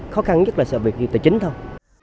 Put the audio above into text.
khó khăn nhất là sự việc tài chính thôi